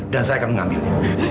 dan saya akan mengambilnya